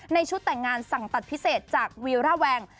ชุดแต่งงานสั่งตัดพิเศษจากวีร่าแวง